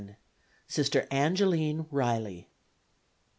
Sister Angeline Reilly.